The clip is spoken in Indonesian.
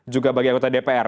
juga bagi anggota dpr